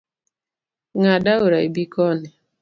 Ng’ad aora ibi koni.